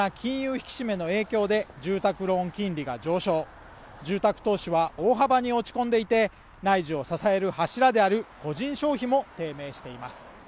引き締めの影響で住宅ローン金利が上昇住宅投資は大幅に落ち込んでいて内需を支える柱である個人消費も低迷しています